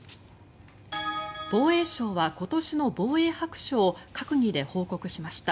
防衛省は今年の防衛白書を閣議で報告しました。